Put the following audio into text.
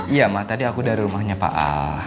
iya mah tadi aku dari rumahnya pak ah